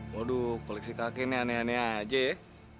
waduh koleksi kakek ini aneh aneh aja ya